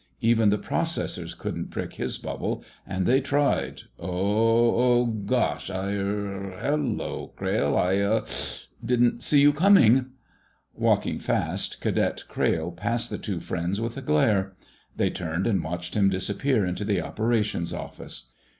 Even the processors couldn't prick his bubble, and they tried—oh oh! G gosh! I—er—hello, Crayle! I—uh—didn't see you coming." Walking fast, Cadet Crayle passed the two friends with a glare. They turned and watched him disappear into the Operations Office.